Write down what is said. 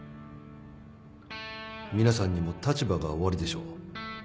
皆さんにも立場がおありでしょう。